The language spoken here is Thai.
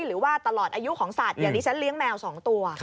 หรือว่าตลอดอายุของสัตว์อย่างที่ฉันเลี้ยงแมว๒ตัว